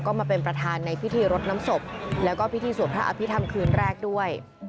ก็มาเป็นประธานในพิธีรดน้ำศพแล้วก็พิธีสวดพระอภิษฐรรมคืนแรกด้วย